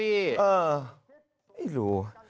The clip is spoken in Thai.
เออไม่รู้